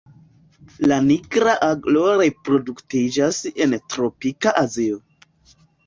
La Nigra aglo reproduktiĝas en tropika Azio.